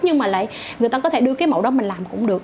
nhưng mà lại người ta có thể đưa cái mẫu đó mình làm cũng được